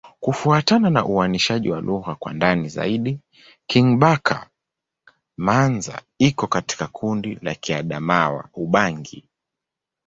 Kufuatana na uainishaji wa lugha kwa ndani zaidi, Kingbaka-Manza iko katika kundi la Kiadamawa-Ubangi.